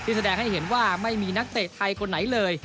แสดงให้เห็นว่าไม่มีนักเตะไทยคนไหนเลย